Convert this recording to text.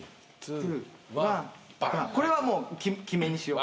これはもう決めにしよう。